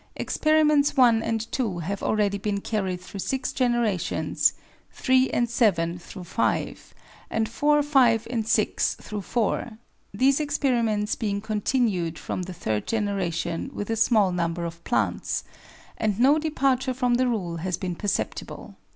Experiments 1 and 2 have already been carried through six generations, 3 and 7 through five, and 4, 5, and 6 through four, these experiments being continued from the third generation with a small number of plants, and no departure from the rule has been perceptible.